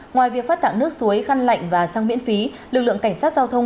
ngoài việc phát tặng nước suối khăn lạnh và sang miễn phí lực lượng cảnh sát giao thông